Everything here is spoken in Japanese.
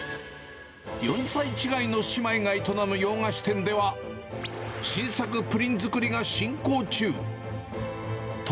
４歳違いの姉妹が営む洋菓子店では、新作プリン作りが進行中。